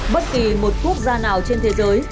bất kỳ một quốc gia nào trên thế giới